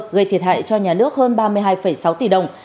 gây thiệt hại cho nhà nước hơn ba mươi hai sáu tỷ đồng